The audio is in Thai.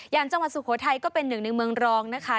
จังหวัดสุโขทัยก็เป็นหนึ่งในเมืองรองนะคะ